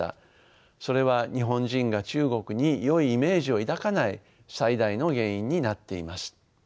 それは日本人が中国によいイメージを抱かない最大の原因になっています。